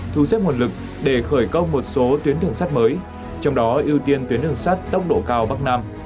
thu xếp nguồn lực để khởi công một số tuyến đường sắt mới trong đó ưu tiên tuyến đường sắt tốc độ cao bắc nam